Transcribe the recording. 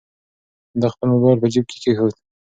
ده خپل موبایل په جیب کې کېښود.